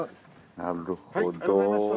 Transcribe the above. なるほど。